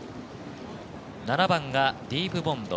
７番がディープボンド。